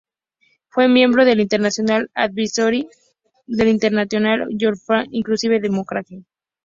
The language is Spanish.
Fue miembro del "International Advisory Board" del "International Journal of Inclusive Democracy".